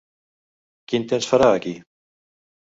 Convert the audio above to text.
Quin temps farà aquí?